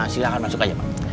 silahkan masuk aja pak